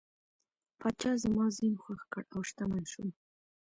پاچا زما زین خوښ کړ او شتمن شوم.